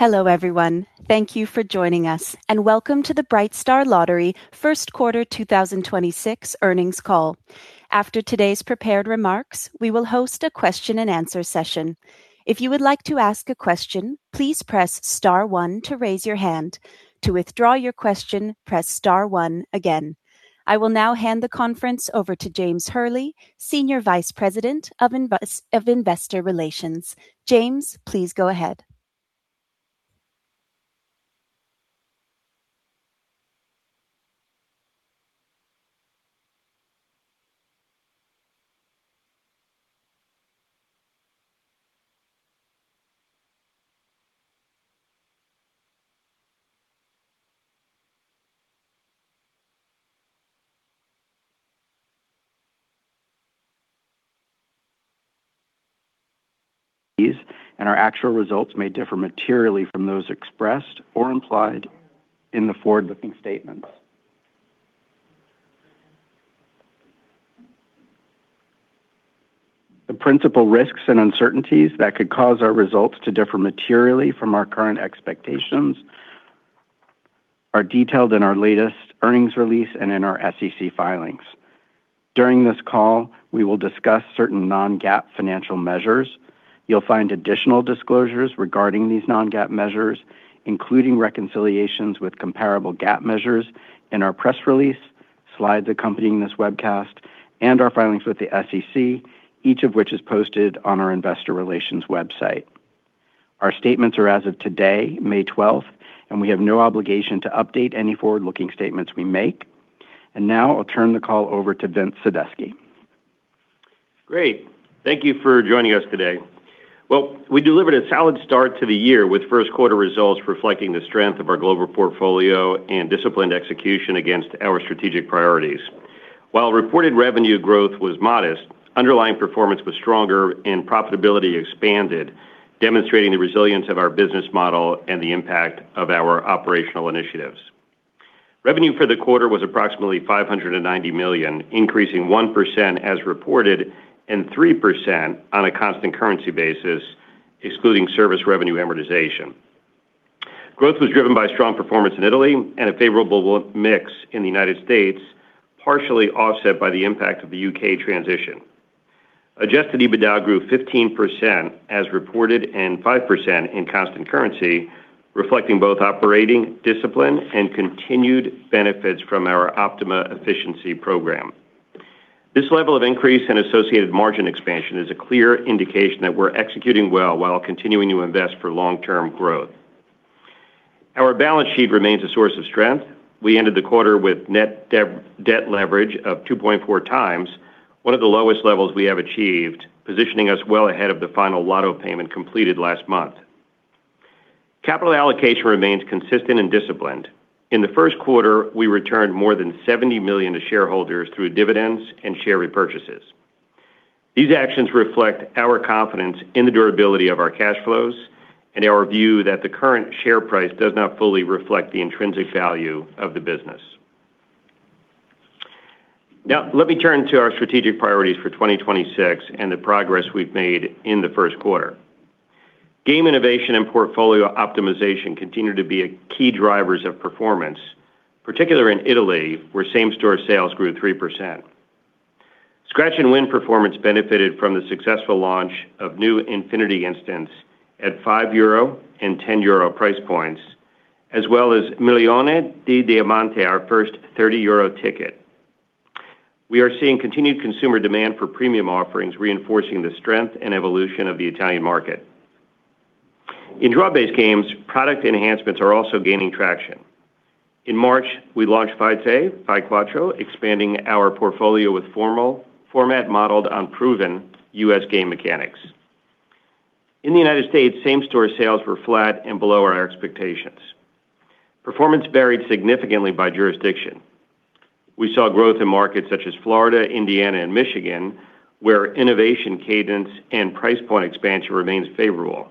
Hello, everyone. Thank you for joining us and welcome to the Brightstar Lottery first quarter 2026 earnings call. After today's prepared remarks, we will host a question and answer session. If you would like to ask a question, please press star one to raise your hand. To withdraw your question, press star one again. I will now hand the conference over to James Hurley, Senior Vice President of Investor Relations. James, please go ahead. Our actual results may differ materially from those expressed or implied in the forward-looking statements. The principal risks and uncertainties that could cause our results to differ materially from our current expectations are detailed in our latest earnings release and in our SEC filings. During this call, we will discuss certain non-GAAP financial measures. You'll find additional disclosures regarding these non-GAAP measures, including reconciliations with comparable GAAP measures in our press release, slides accompanying this webcast, and our filings with the SEC, each of which is posted on our investor relations website. Our statements are as of today, May 12th, and we have no obligation to update any forward-looking statements we make. Now I'll turn the call over to Vince Sadusky. Great. Thank you for joining us today. Well, we delivered a solid start to the year with first quarter results reflecting the strength of our global portfolio and disciplined execution against our strategic priorities. While reported revenue growth was modest, underlying performance was stronger and profitability expanded, demonstrating the resilience of our business model and the impact of our operational initiatives. Revenue for the quarter was approximately 590 million, increasing 1% as reported and 3% on a constant currency basis, excluding service revenue amortization. Growth was driven by strong performance in Italy and a favorable mix in the United States, partially offset by the impact of the U.K. transition. Adjusted EBITDA grew 15% as reported and 5% in constant currency, reflecting both operating discipline and continued benefits from our Optima efficiency program. This level of increase in associated margin expansion is a clear indication that we're executing well while continuing to invest for long-term growth. Our balance sheet remains a source of strength. We ended the quarter with net debt leverage of 2.4x, one of the lowest levels we have achieved, positioning us well ahead of the final lotto payment completed last month. Capital allocation remains consistent and disciplined. In the first quarter, we returned more than $70 million to shareholders through dividends and share repurchases. These actions reflect our confidence in the durability of our cash flows and our view that the current share price does not fully reflect the intrinsic value of the business. Now, let me turn to our strategic priorities for 2026 and the progress we've made in the first quarter. Game innovation and portfolio optimization continue to be key drivers of performance, particularly in Italy, where same-store sales grew 3%. Scratch and win performance benefited from the successful launch of new Infinity Instants at 5 euro and 10 euro price points, as well as Milioni di Diamanti, our first 30 euro ticket. We are seeing continued consumer demand for premium offerings, reinforcing the strength and evolution of the Italian market. In draw-based games, product enhancements are also gaining traction. In March, we launched [Fai 3, Fai 4], expanding our portfolio with format modeled on proven U.S. game mechanics. In the United States, same-store sales were flat and below our expectations. Performance varied significantly by jurisdiction. We saw growth in markets such as Florida, Indiana, and Michigan, where innovation cadence and price point expansion remains favorable.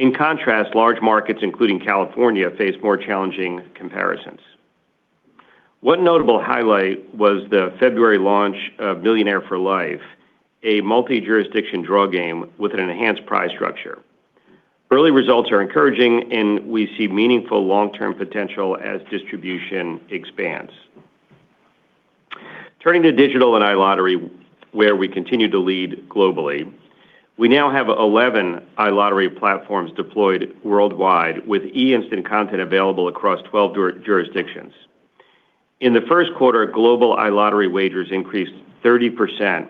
In contrast, large markets, including California, face more challenging comparisons. One notable highlight was the February launch of Millionaire for Life, a multi-jurisdiction draw game with an enhanced prize structure. Early results are encouraging, and we see meaningful long-term potential as distribution expands. Turning to digital and iLottery, where we continue to lead globally, we now have 11 iLottery platforms deployed worldwide, with iInstant content available across 12 jurisdictions. In the first quarter, global iLottery wagers increased 30%,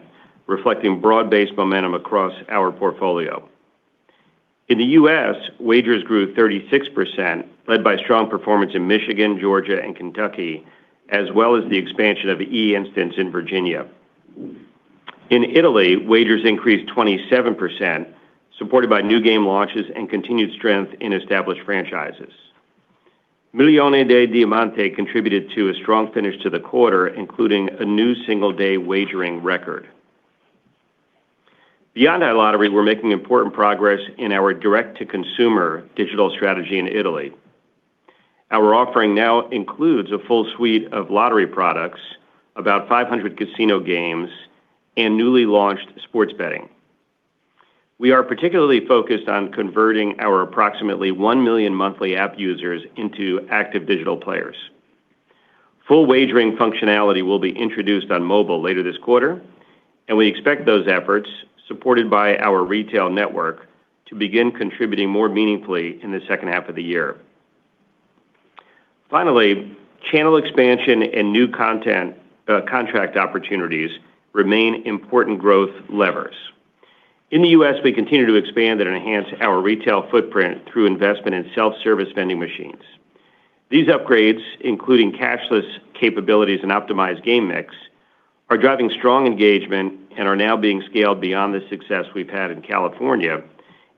reflecting broad-based momentum across our portfolio. In the U.S., wagers grew 36%, led by strong performance in Michigan, Georgia, and Kentucky, as well as the expansion of iInstants in Virginia. In Italy, wagers increased 27%, supported by new game launches and continued strength in established franchises. Milioni di Diamanti contributed to a strong finish to the quarter, including a new single-day wagering record. Beyond iLottery, we're making important progress in our direct-to-consumer digital strategy in Italy. Our offering now includes a full suite of lottery products, about 500 casino games, and newly launched sports betting. We are particularly focused on converting our approximately 1 million monthly app users into active digital players. Full wagering functionality will be introduced on mobile later this quarter, and we expect those efforts, supported by our retail network, to begin contributing more meaningfully in the second half of the year. Finally, channel expansion and new content contract opportunities remain important growth levers. In the U.S., we continue to expand and enhance our retail footprint through investment in self-service vending machines. These upgrades, including cashless capabilities and optimized game mix, are driving strong engagement and are now being scaled beyond the success we've had in California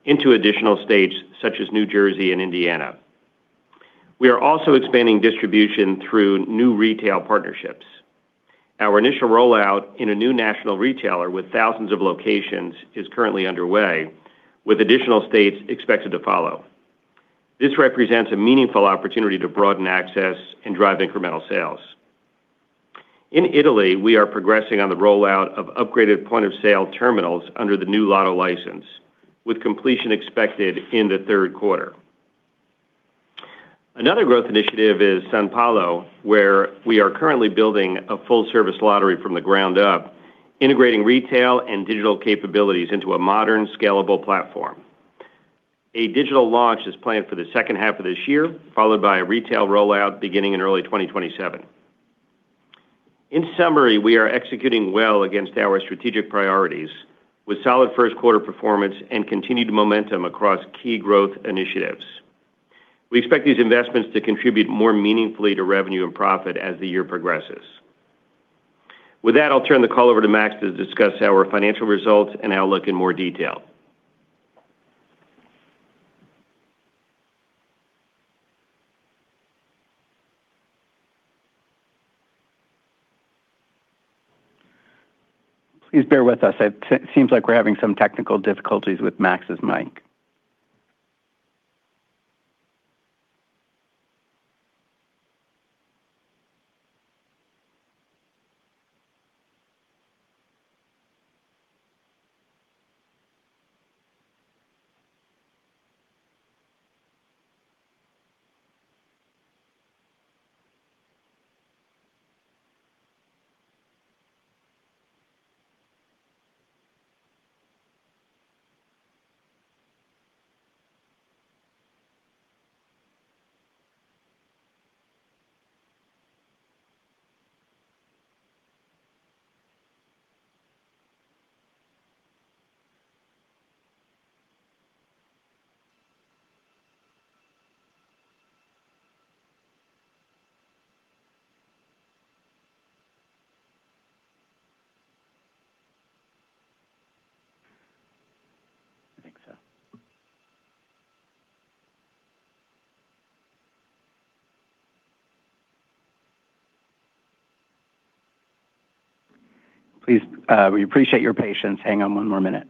into additional states such as New Jersey and Indiana. We are also expanding distribution through new retail partnerships. Our initial rollout in a new national retailer with thousands of locations is currently underway, with additional states expected to follow. This represents a meaningful opportunity to broaden access and drive incremental sales. In Italy, we are progressing on the rollout of upgraded point-of-sale terminals under the new lotto license, with completion expected in the third quarter. Another growth initiative is São Paulo, where we are currently building a full-service lottery from the ground up, integrating retail and digital capabilities into a modern, scalable platform. A digital launch is planned for the second half of this year, followed by a retail rollout beginning in early 2027. In summary, we are executing well against our strategic priorities with solid first quarter performance and continued momentum across key growth initiatives. We expect these investments to contribute more meaningfully to revenue and profit as the year progresses. With that, I'll turn the call over to Max to discuss our financial results and outlook in more detail. Please bear with us. It seems like we're having some technical difficulties with Max's mic. I think so. Please, we appreciate your patience. Hang on one more minute.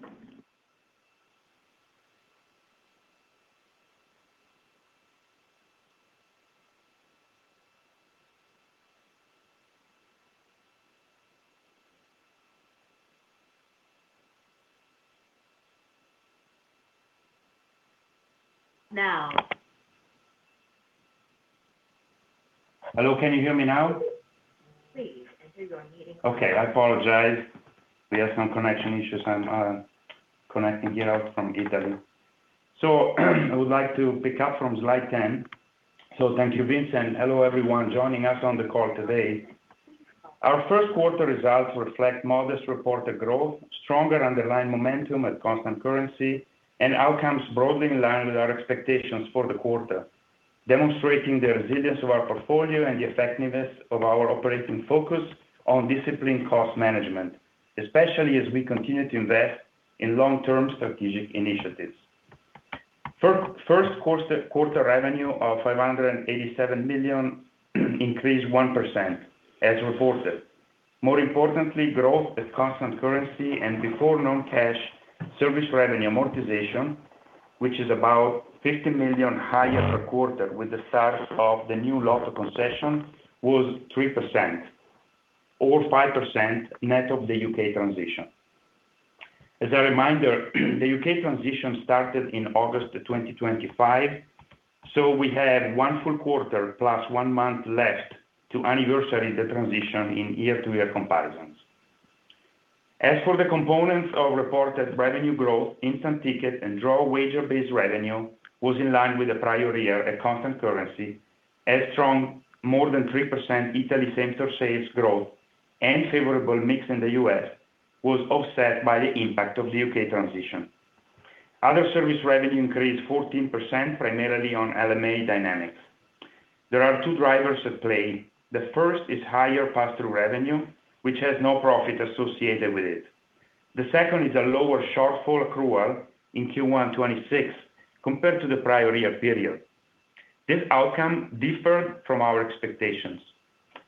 Hello, can you hear me now? Okay, I apologize. We have some connection issues. I'm connecting here from Italy. I would like to pick up from slide 10. Thank you, Vince, and hello everyone joining us on the call today. Our first quarter results reflect modest reported growth, stronger underlying momentum at constant currency, and outcomes broadly in line with our expectations for the quarter, demonstrating the resilience of our portfolio and the effectiveness of our operating focus on disciplined cost management, especially as we continue to invest in long-term strategic initiatives. First quarter revenue of 587 million increased 1% as reported. More importantly, growth at constant currency and before non-cash service revenue amortization, which is about 50 million higher per quarter with the start of the new lotto concession, was 3% or 5% net of the U.K. transition. As a reminder, the U.K. transition started in August 2025, we have one full quarter plus one month left to anniversary the transition in year-to-year comparisons. As for the components of reported revenue growth, instant ticket and draw wager-based revenue was in line with the prior year at constant currency as strong more than 3% Italy same store sales growth and favorable mix in the U.S. was offset by the impact of the U.K. transition. Other service revenue increased 14% primarily on LMA dynamics. There are two drivers at play. The first is higher pass-through revenue, which has no profit associated with it. The second is a lower shortfall accrual in Q1 2026 compared to the prior year period. This outcome differed from our expectations.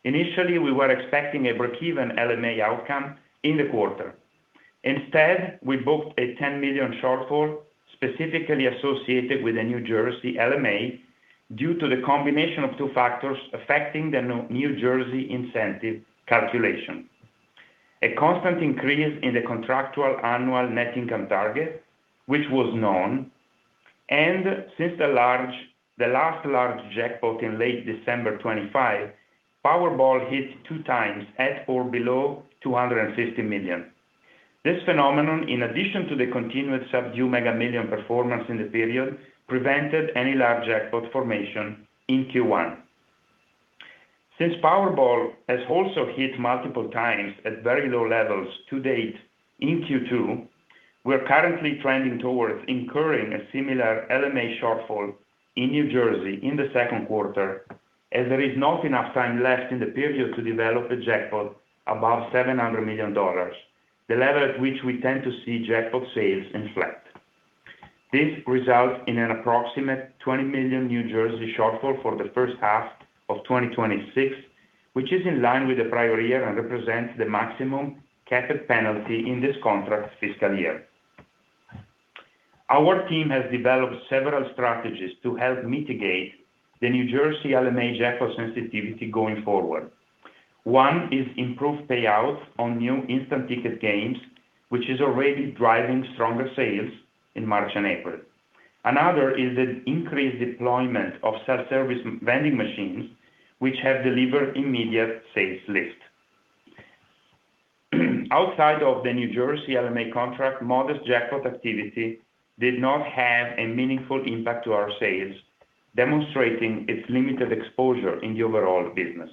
Initially, we were expecting a breakeven LMA outcome in the quarter. Instead, we booked a $10 million shortfall specifically associated with the New Jersey LMA due to the combination of two factors affecting the New Jersey incentive calculation. A constant increase in the contractual annual net income target, which was known, and since the last large jackpot in late December 2025, Powerball hit two times at or below $250 million. This phenomenon, in addition to the continuous subdued Mega Millions performance in the period, prevented any large jackpot formation in Q1. Since Powerball has also hit multiple times at very low levels to date in Q2, we are currently trending towards incurring a similar LMA shortfall in New Jersey in the second quarter, as there is not enough time left in the period to develop a jackpot above $700 million, the level at which we tend to see jackpot sales inflate. This results in an approximate $20 million New Jersey shortfall for the first half of 2026, which is in line with the prior year and represents the maximum capped penalty in this contract fiscal year. Our team has developed several strategies to help mitigate the New Jersey LMA jackpot sensitivity going forward. One is improved payouts on new instant ticket games, which is already driving stronger sales in March and April. Another is an increased deployment of self-service vending machines, which have delivered immediate sales lift. Outside of the New Jersey LMA contract, modest jackpot activity did not have a meaningful impact to our sales, demonstrating its limited exposure in the overall business.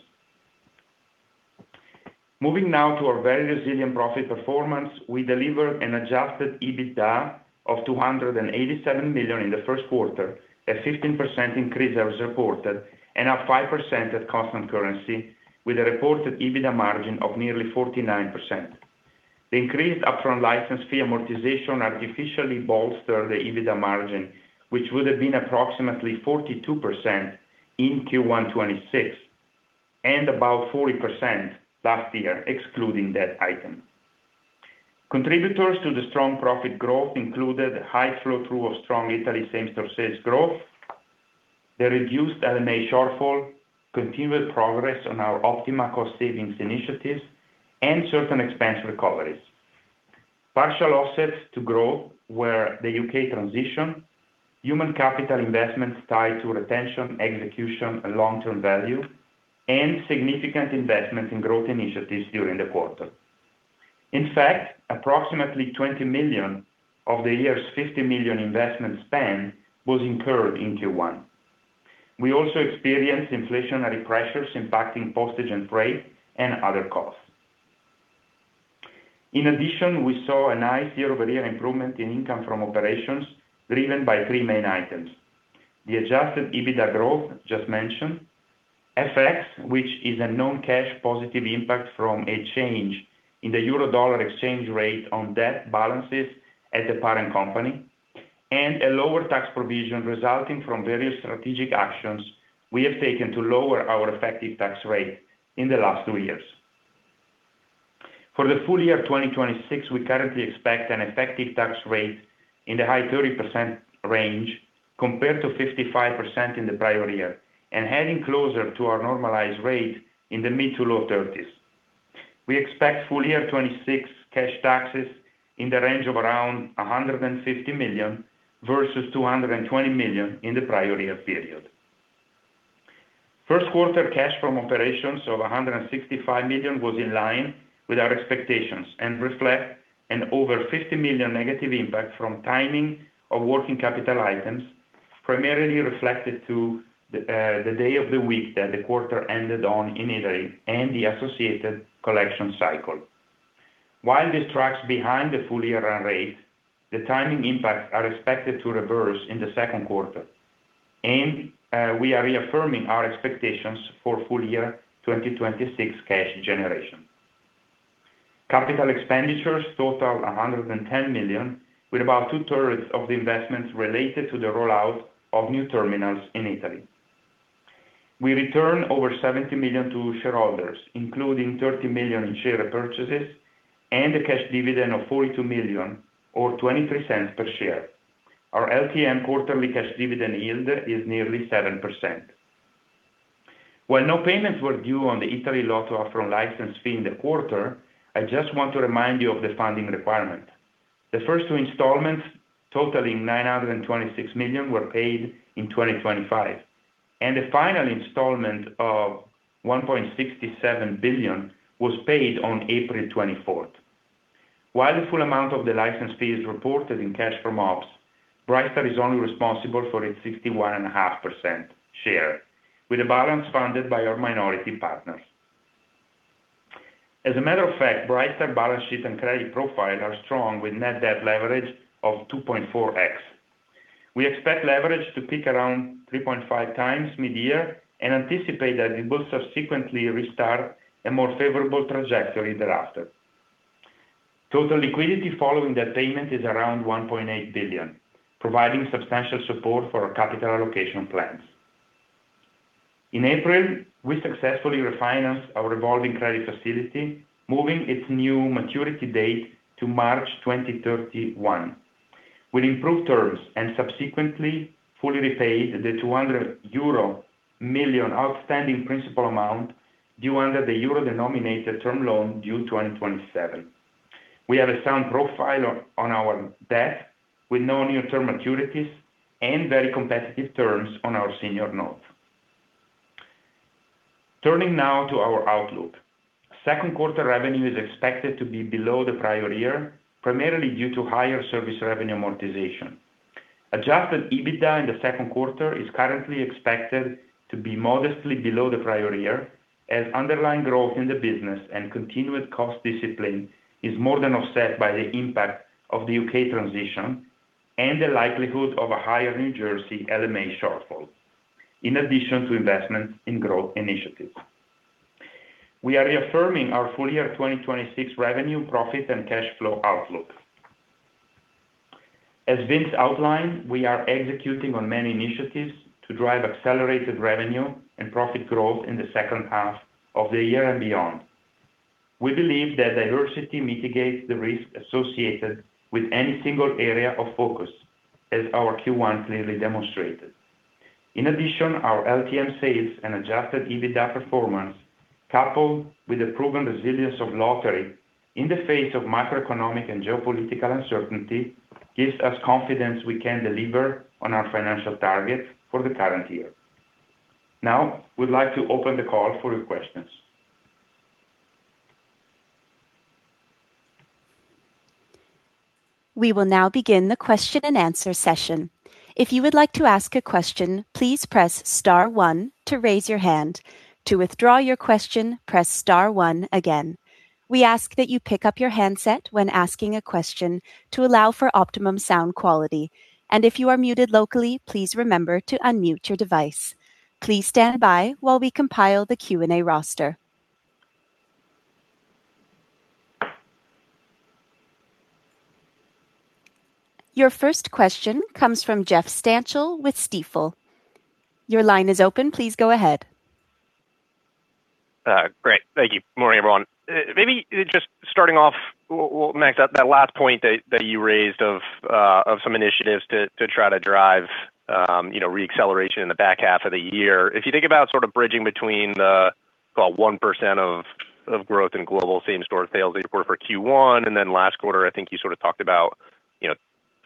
Moving now to our very resilient profit performance, we delivered an adjusted EBITDA of 287 million in the first quarter, a 15% increase as reported and up 5% at constant currency with a reported EBITDA margin of nearly 49%. The increased upfront license fee amortization artificially bolstered the EBITDA margin, which would have been approximately 42% in Q1 2026 and about 40% last year excluding that item. Contributors to the strong profit growth included high flow-through of strong Italy same-store sales growth, the reduced LMA shortfall, continued progress on our Optima cost savings initiatives, and certain expense recoveries. Partial offsets to growth were the U.K. transition, human capital investments tied to retention, execution, and long-term value, and significant investments in growth initiatives during the quarter. In fact, approximately $20 million of the year's $50 million investment spend was incurred in Q1. We also experienced inflationary pressures impacting postage and freight and other costs. In addition, we saw a nice year-over-year improvement in income from operations driven by three main items: the adjusted EBITDA growth just mentioned, FX, which is a non-cash positive impact from a change in the euro-dollar exchange rate on debt balances at the parent company, and a lower tax provision resulting from various strategic actions we have taken to lower our effective tax rate in the last three years. For the full year 2026, we currently expect an effective tax rate in the high 30% range compared to 55% in the prior year and heading closer to our normalized rate in the mid-to-low 30s. We expect full year 2026 cash taxes in the range of around $150 million versus $220 million in the prior year period. First quarter cash from operations of $165 million was in line with our expectations and reflect an over $50 million negative impact from timing of working capital items, primarily reflected to the day of the week that the quarter ended on in Italy and the associated collection cycle. While this tracks behind the full year run rate, the timing impacts are expected to reverse in the second quarter, and we are reaffirming our expectations for full year 2026 cash generation. Capital expenditures total 110 million, with about two-thirds of the investments related to the rollout of new terminals in Italy. We return over 70 million to shareholders, including 30 million in share repurchases and a cash dividend of 42 million or 0.23 per share. Our LTM quarterly cash dividend yield is nearly 7%. While no payments were due on the Italy Lotto upfront license fee in the quarter, I just want to remind you of the funding requirement. The first two installments, totaling 926 million, were paid in 2025, and the final installment of 1.67 billion was paid on April 24th. While the full amount of the license fee is reported in cash from ops, Brightstar is only responsible for its 61.5% share, with the balance funded by our minority partners. As a matter of fact, Brightstar balance sheet and credit profile are strong with net debt leverage of 2.4x. We expect leverage to peak around 3.5x mid-year and anticipate that it will subsequently restart a more favorable trajectory thereafter. Total liquidity following that payment is around 1.8 billion, providing substantial support for our capital allocation plans. In April, we successfully refinanced our revolving credit facility, moving its new maturity date to March 2031. We improved terms and subsequently fully repaid the 200 million euro outstanding principal amount due under the euro-denominated term loan due 2027. We have a sound profile on our debt with no new term maturities and very competitive terms on our senior note. Turning now to our outlook. Second quarter revenue is expected to be below the prior year, primarily due to higher service revenue amortization. Adjusted EBITDA in the second quarter is currently expected to be modestly below the prior year as underlying growth in the business and continued cost discipline is more than offset by the impact of the U.K. transition and the likelihood of a higher New Jersey LMA shortfall, in addition to investments in growth initiatives. We are reaffirming our full year 2026 revenue, profit, and cash flow outlook. As Vince outlined, we are executing on many initiatives to drive accelerated revenue and profit growth in the second half of the year and beyond. We believe that diversity mitigates the risk associated with any single area of focus, as our Q1 clearly demonstrated. In addition, our LTM sales and adjusted EBITDA performance, coupled with the proven resilience of Lottery in the face of macroeconomic and geopolitical uncertainty, gives us confidence we can deliver on our financial targets for the current year. Now, we'd like to open the call for your questions. We will now begin the question-and-answer session. If you would like to ask a question, please press star one to raise your hand. To withdraw your question, press star one again. We ask that you pick up your handset when asking a question to allow for optimum sound quality. If you are muted locally, please remember to unmute your device. Please stand by while we compile the Q&A roster. Your first question comes from Jeff Stantial with Stifel. Your line is open. Please go ahead. Great. Thank you. Morning, everyone. Maybe just starting off, Max, that last point that you raised of some initiatives to try to drive, you know, re-acceleration in the back half of the year. If you think about sort of bridging between the, call it 1% of growth in global same-store sales that you reported for Q1, and then last quarter, I think you sort of talked about, you know,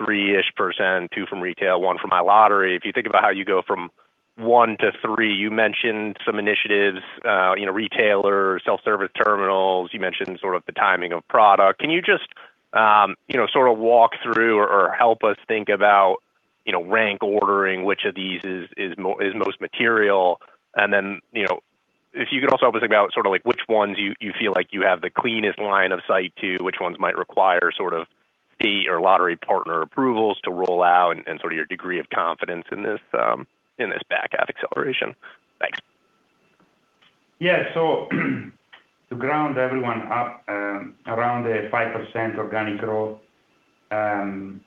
3-ish%, 2% from retail, 1% from iLottery. If you think about how you go from 1% to 3%, you mentioned some initiatives, you know, retailers, self-service terminals. You mentioned sort of the timing of product. Can you just, you know, sort of walk through or help us think about, you know, rank ordering which of these is most material? Then, you know, if you could also help us think about sort of like which ones you feel like you have the cleanest line of sight to, which ones might require sort of fee or lottery partner approvals to roll out and sort of your degree of confidence in this, in this back half acceleration. Thanks. Yeah. To ground everyone up, around the 5% organic growth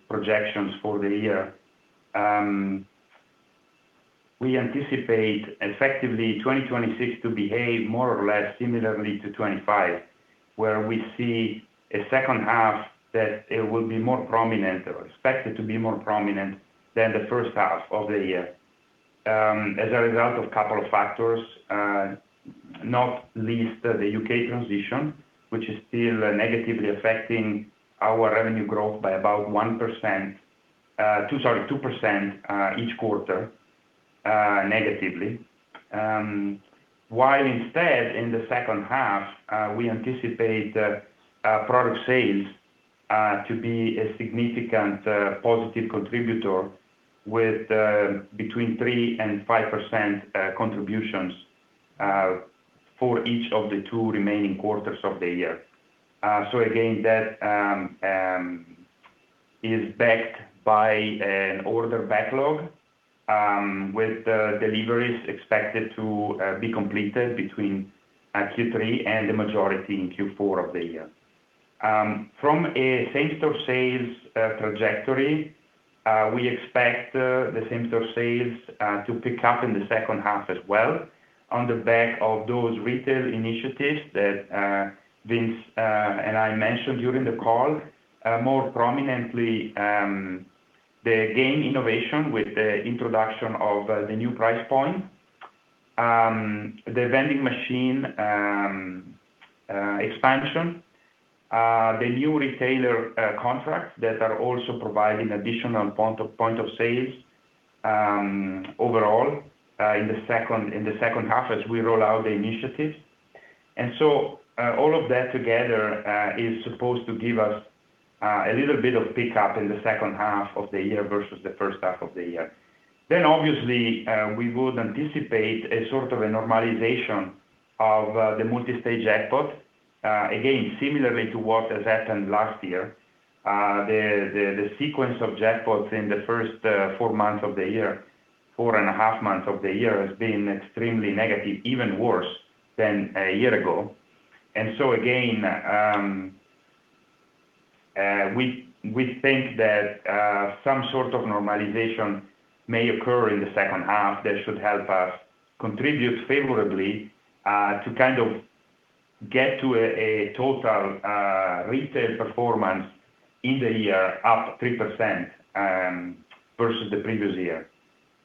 projections for the year, we anticipate effectively 2026 to behave more or less similarly to 2025, where we see a second half that it will be more prominent or expected to be more prominent than the first half of the year, as a result of a couple of factors, not least the U.K. transition, which is still negatively affecting our revenue growth by about 1%, 2% each quarter, negatively. While instead in the second half, we anticipate product sales to be a significant positive contributor with between 3% and 5% contributions for each of the two remaining quarters of the year. Again, that is backed by an order backlog with the deliveries expected to be completed between Q3 and the majority in Q4 of the year. From a same-store sales trajectory, we expect the same-store sales to pick up in the second half as well on the back of those retail initiatives that Vince and I mentioned during the call, more prominently, the game innovation with the introduction of the new price point, the vending machine expansion, the new retailer contracts that are also providing additional point of sales overall in the second half as we roll out the initiatives. All of that together is supposed to give us a little bit of pick-up in the second half of the year versus the first half of the year. Obviously, we would anticipate a sort of a normalization of the multi-stage jackpot. Again, similarly to what has happened last year, the sequence of jackpots in the first four months of the year, four and a half months of the year has been extremely negative, even worse than a year ago. Again, we think that some sort of normalization may occur in the second half that should help us contribute favorably to kind of get to a total retail performance in the year up 3% versus the previous year.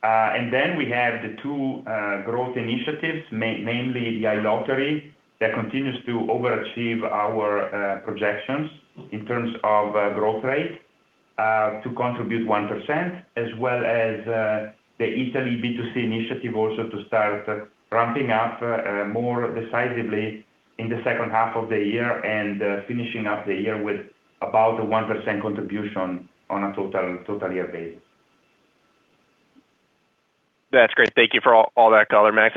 Then we have the two growth initiatives, mainly the iLottery that continues to overachieve our projections in terms of growth rate, to contribute 1% as well as the Italy B2C initiative also to start ramping up more decisively in the second half of the year and finishing up the year with about a 1% contribution on a total year basis. That's great. Thank you for all that color, Max.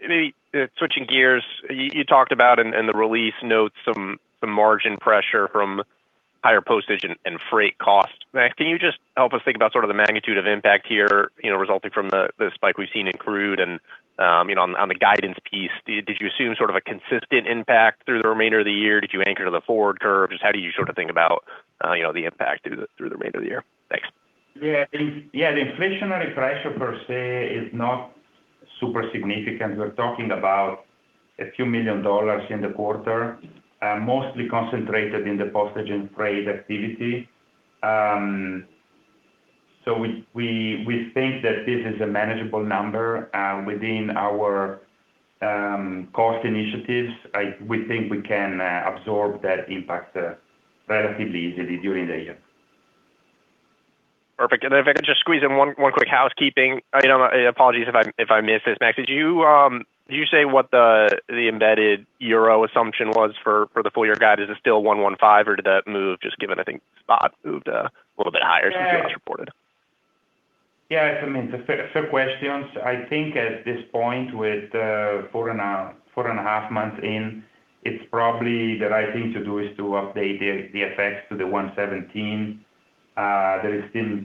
Maybe switching gears, you talked about in the release notes some margin pressure from higher postage and freight costs. Max, can you just help us think about sort of the magnitude of impact here, you know, resulting from the spike we've seen in crude? You know, on the guidance piece, did you assume sort of a consistent impact through the remainder of the year? Did you anchor to the forward curves? How do you sort of think about, you know, the impact through the remainder of the year? Thanks. Yeah. Yeah. The inflationary pressure per se is not super significant. We're talking about a few million dollars in the quarter, mostly concentrated in the postage and freight activity. We think that this is a manageable number within our cost initiatives. We think we can absorb that impact relatively easily during the year. Perfect. If I could just squeeze in one quick housekeeping. You know, apologies if I missed this, Max. Did you say what the embedded euro assumption was for the full year guide? Is it still 1.15, or did that move just given, I think, spot moved a little bit higher since you last reported? I mean, questions. I think at this point, with four and a half months in, it's probably the right thing to do is to update the FX to 1.17. There is still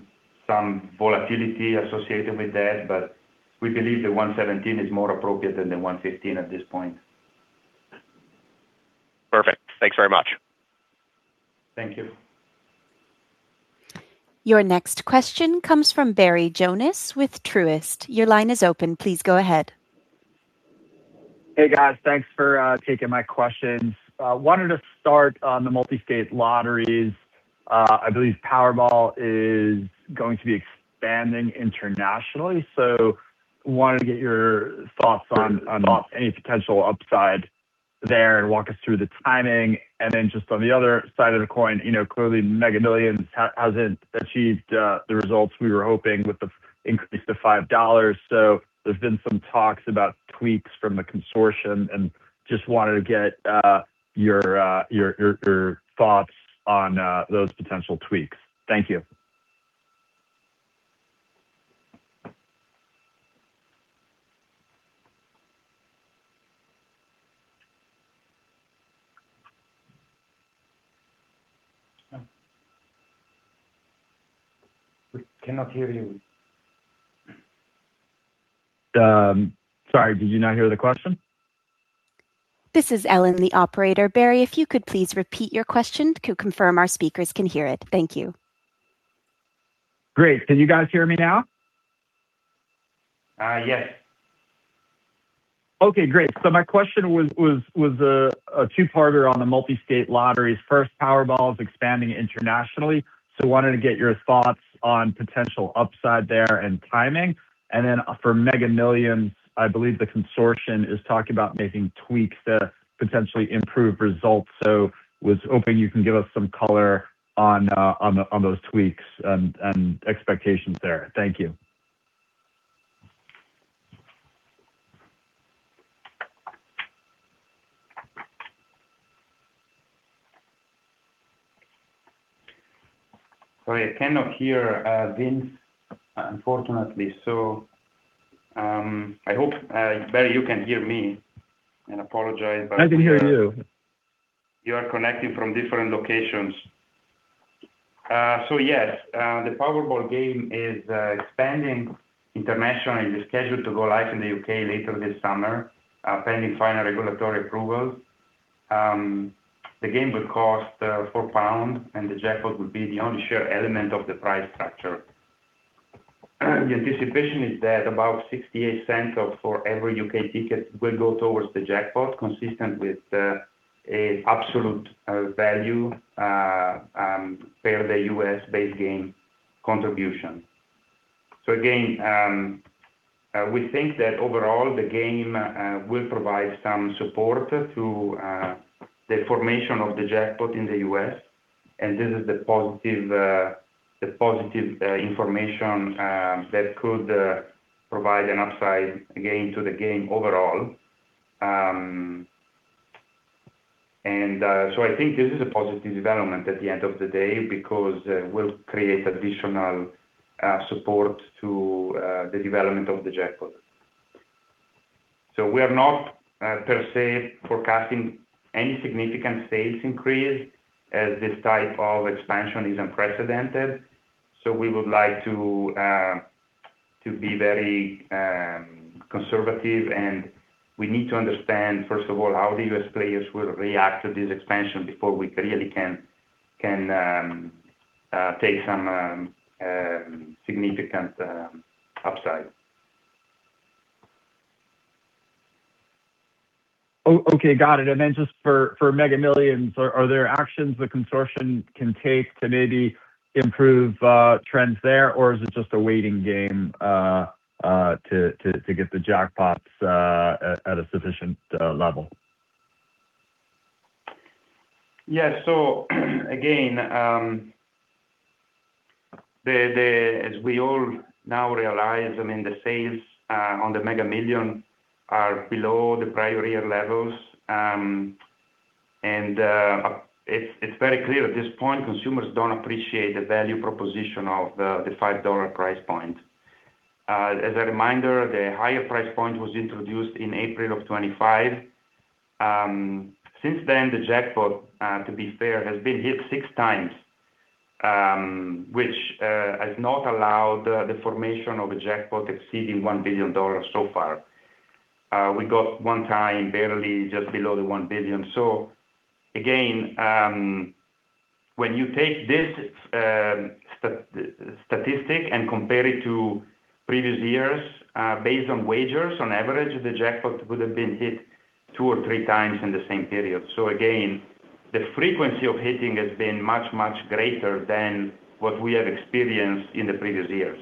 some volatility associated with that, but we believe 1.17 is more appropriate than 1.15 at this point. Perfect. Thanks very much. Thank you. Your next question comes from Barry Jonas with Truist. Your line is open. Please go ahead. Hey, guys. Thanks for taking my questions. Wanted to start on the multi-state lotteries. I believe Powerball is going to be expanding internationally. Wanted to get your thoughts on any potential upside there and walk us through the timing. Then just on the other side of the coin, you know, clearly Mega Millions hasn't achieved the results we were hoping with the increase to $5. There's been some talks about tweaks from the consortium and just wanted to get your thoughts on those potential tweaks. Thank you. We cannot hear you. Sorry, did you not hear the question? This is Ellen, the operator. Barry, if you could please repeat your question to confirm our speakers can hear it. Thank you. Great. Can you guys hear me now? Yes. Okay, great. My question was a two-parter on the multi-state lotteries. First, Powerball is expanding internationally. Wanted to get your thoughts on potential upside there and timing. For Mega Millions, I believe the consortium is talking about making tweaks to potentially improve results. Was hoping you can give us some color on those tweaks and expectations there. Thank you. Sorry, I cannot hear Vince, unfortunately. I hope Barry, you can hear me and apologize. I can hear you. You are connecting from different locations. Yes, the Powerball is expanding internationally, scheduled to go live in the U.K. later this summer, pending final regulatory approval. The game would cost 4 pounds, and the jackpot would be the only sure element of the price structure. The anticipation is that about 0.68 for every U.K. ticket will go towards the jackpot, consistent with a absolute value per the U.S.-based game contribution. Again, we think that overall the game will provide some support to the formation of the jackpot in the U.S., and this is the positive, the positive information that could provide an upside, again, to the game overall. I think this is a positive development at the end of the day because we'll create additional support to the development of the jackpot. We are not per se forecasting any significant sales increase as this type of expansion is unprecedented. We would like to be very conservative, and we need to understand, first of all, how the U.S. players will react to this expansion before we clearly can take some significant upside. Okay, got it. Just for Mega Millions, are there actions the consortium can take to maybe improve trends there? Or is it just a waiting game to get the jackpots at a sufficient level? Yeah. Again, as we all now realize, I mean, the sales on the Mega Millions are below the prior year levels. It's very clear at this point, consumers don't appreciate the value proposition of the $5 price point. As a reminder, the higher price point was introduced in April of 2025. Since then, the jackpot, to be fair, has been hit 6x, which has not allowed the formation of a jackpot exceeding $1 billion so far. We got 1 time barely just below the $1 billion. Again, when you take this statistic and compare it to previous years, based on wagers, on average, the jackpot would have been hit 2x or 3x in the same period. The frequency of hitting has been much, much greater than what we have experienced in the previous years.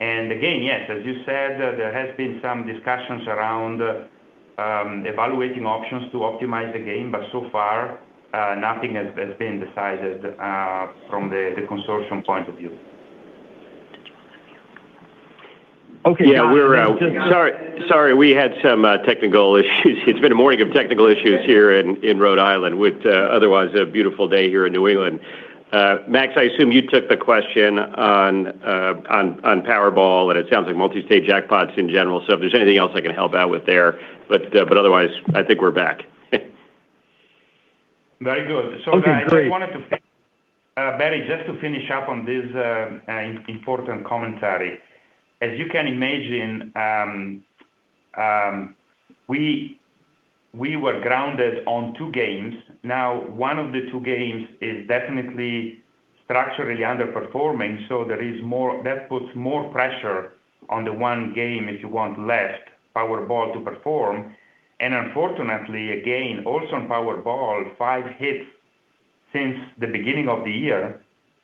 Yes, as you said, there has been some discussions around evaluating options to optimize the game, but so far, nothing has been decided from the consortium point of view. Okay. Yeah, we're. Sorry, sorry. We had some technical issues. It's been a morning of technical issues here in Rhode Island with, otherwise, a beautiful day here in New England. Max, I assume you took the question on Powerball, and it sounds like multi-state jackpots in general. If there's anything else I can help out with there. Otherwise, I think we're back. Very good. Okay, great. Barry, just to finish up on this important commentary. As you can imagine, we were grounded on two games. One of the two games is definitely structurally underperforming, that puts more pressure on the one game, if you want less Powerball to perform. Unfortunately, again, also on Powerball, five hits since the beginning of the year,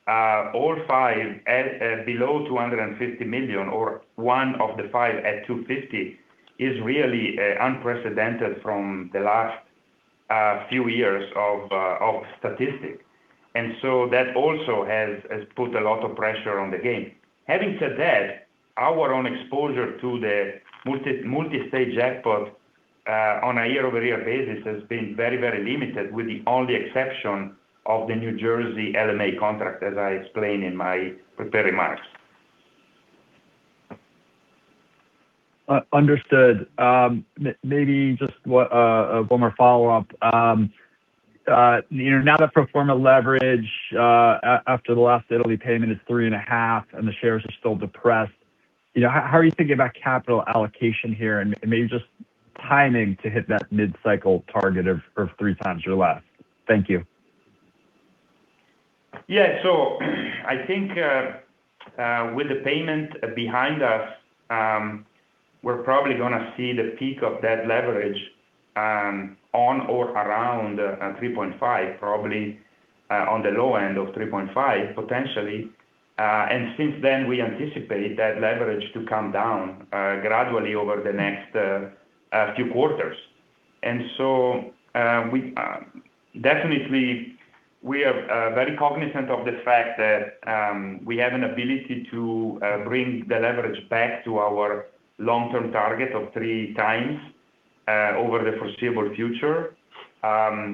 all five at below $250 million or one of the five at $250 million is really unprecedented from the last few years of statistics. That also has put a lot of pressure on the game. Having said that, our own exposure to the multi-state jackpot on a year-over-year basis has been very, very limited, with the only exception of the New Jersey LMA contract, as I explained in my prepared remarks. Understood. maybe just one more follow-up. you know, now that pro forma leverage after the last Italy payment is 3.5 and the shares are still depressed, you know, how are you thinking about capital allocation here and maybe just timing to hit that mid-cycle target of 3x or less? Thank you. Yeah. I think, with the payment behind us, we're probably gonna see the peak of that leverage on or around 3.5, probably on the low end of 3.5, potentially. Since then, we anticipate that leverage to come down gradually over the next few quarters. We, definitely, we are very cognizant of the fact that we have an ability to bring the leverage back to our long-term target of 3x over the foreseeable future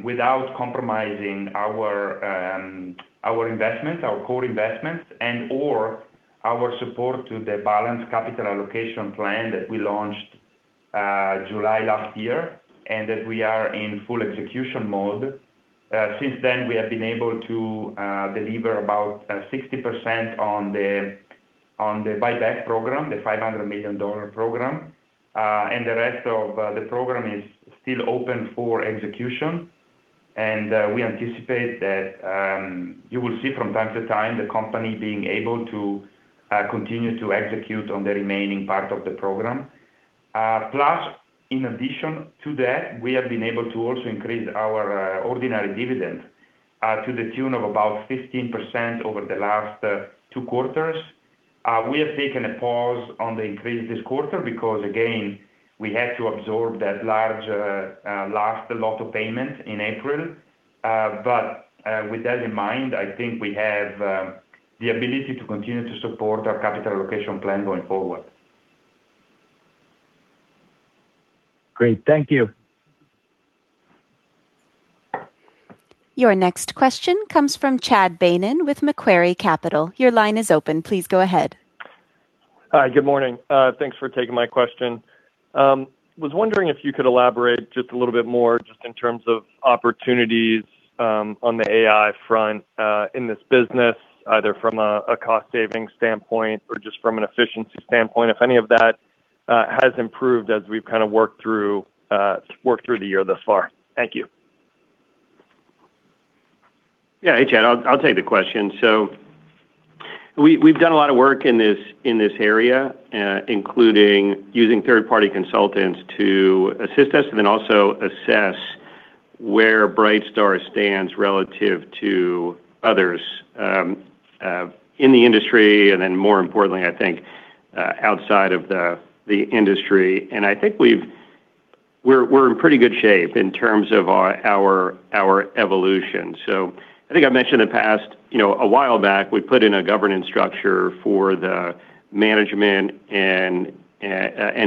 without compromising our investment, our core investment, and/or our support to the balanced capital allocation plan that we launched July last year and that we are in full execution mode. Since then, we have been able to deliver about 60% on the buyback program, the $500 million program. The rest of the program is still open for execution. We anticipate that you will see from time to time the company being able to continue to execute on the remaining part of the program. Plus, in addition to that, we have been able to also increase our ordinary dividend to the tune of about 15% over the last two quarters. We have taken a pause on the increase this quarter because, again, we had to absorb that large last lot of payment in April. With that in mind, I think we have the ability to continue to support our capital allocation plan going forward. Great. Thank you. Your next question comes from Chad Beynon with Macquarie Capital. Your line is open. Please go ahead. Good morning. Thanks for taking my question. I was wondering if you could elaborate just a little bit more just in terms of opportunities on the AI front in this business, either from a cost-saving standpoint or just from an efficiency standpoint, if any of that has improved as we've kind of worked through the year thus far. Thank you. Yeah. Hey, Chad, I'll take the question. We've done a lot of work in this, in this area, including using third-party consultants to assist us and then also assess where Brightstar stands relative to others in the industry, more importantly, I think, outside of the industry. I think we're in pretty good shape in terms of our evolution. I think I've mentioned in the past, you know, a while back, we put in a governance structure for the management and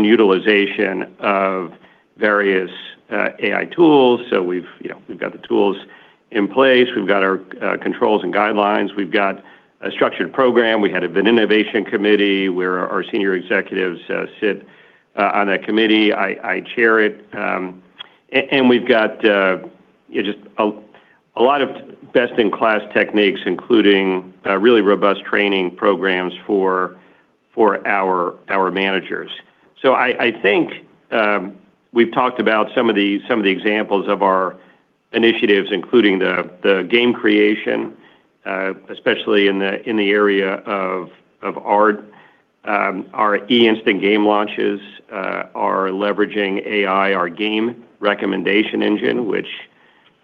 utilization of various AI tools. We've, you know, we've got the tools in place. We've got our controls and guidelines. We've got a structured program. We had an innovation committee where our senior executives sit on that committee. I chair it. We've got, you know, just a lot of best-in-class techniques, including really robust training programs for our managers. I think we've talked about some of the examples of our initiatives, including the game creation, especially in the area of art. Our eInstant game launches are leveraging AI. Our game recommendation engine,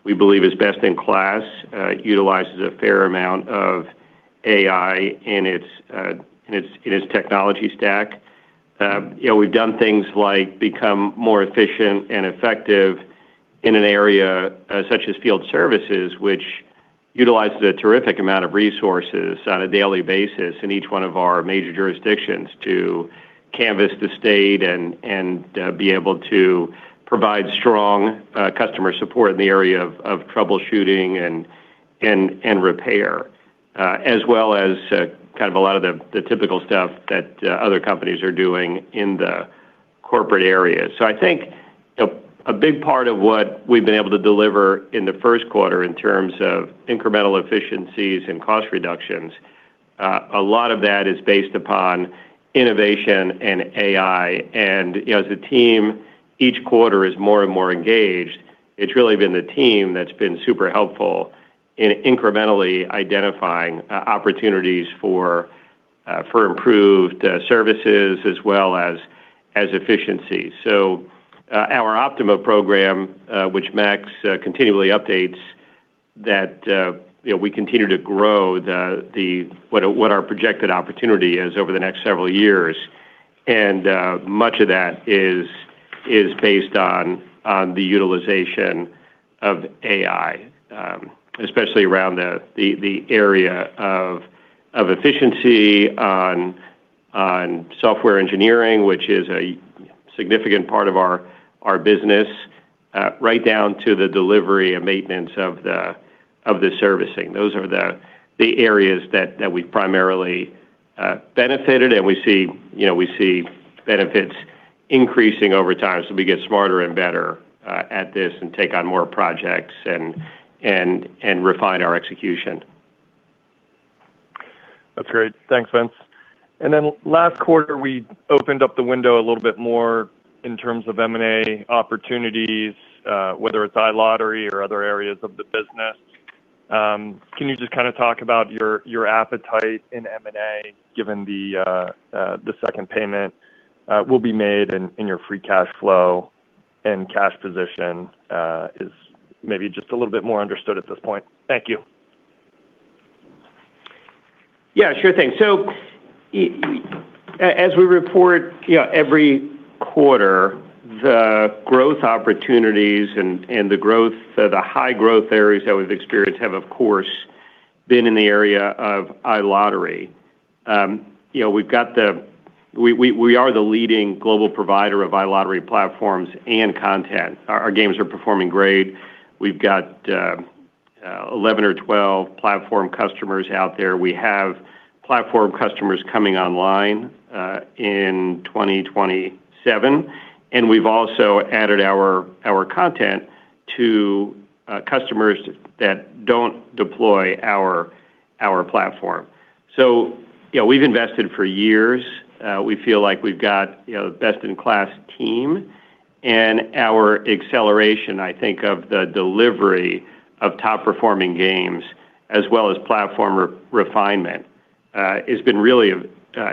which we believe is best in class, utilizes a fair amount of AI in its technology stack. You know, we've done things like become more efficient and effective in an area such as field services, which utilizes a terrific amount of resources on a daily basis in each one of our major jurisdictions to canvas the state and be able to provide strong customer support in the area of troubleshooting and repair, as well as kind of a lot of the typical stuff that other companies are doing in the corporate areas. I think a big part of what we've been able to deliver in the first quarter in terms of incremental efficiencies and cost reductions, a lot of that is based upon innovation and AI. You know, as a team, each quarter is more and more engaged. It's really been the team that's been super helpful in incrementally identifying opportunities for improved services as well as efficiency. Our Optima program, which Max continually updates that, you know, we continue to grow what our projected opportunity is over the next several years. Much of that is based on the utilization of AI, especially around the area of efficiency on software engineering, which is a significant part of our business, right down to the delivery and maintenance of the servicing. Those are the areas that we've primarily benefited, and we see, you know, benefits increasing over time as we get smarter and better at this and take on more projects and refine our execution. That's great. Thanks, Vince. Last quarter, we opened up the window a little bit more in terms of M&A opportunities, whether it's iLottery or other areas of the business. Can you just kind of talk about your appetite in M&A given the second payment will be made in your free cash flow and cash position is maybe just a little bit more understood at this point? Thank you. Yeah, sure thing. As we report, you know, every quarter, the growth opportunities and the growth, the high growth areas that we've experienced have, of course, been in the area of iLottery. You know, we are the leading global provider of iLottery platforms and content. Our games are performing great. We've got 11 or 12 platform customers out there. We have platform customers coming online in 2027, and we've also added our content to customers that don't deploy our platform. You know, we've invested for years. We feel like we've got, you know, the best-in-class team. Our acceleration, I think, of the delivery of top-performing games as well as platform refinement has been really